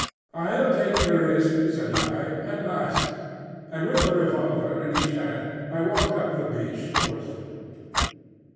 "I'll take the risk," said I, at last; and with a revolver in each hand I walked up the beach towards them.